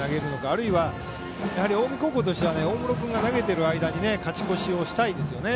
あるいは近江高校としては大室君が投げている間に勝ち越しをしたいですよね。